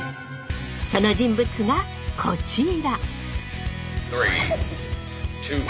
その人物がこちら。